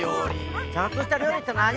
ちゃんとした料理って何？